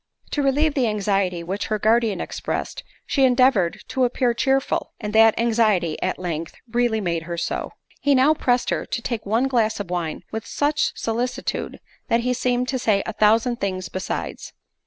To relieve the anxiety which her guardian expressed, she endeavoured to appear cheerful, and that anxiety, at length, really made her so. He now pressed her to take one glass of wine with such solicitude, that he seemed to say a thousand things besides.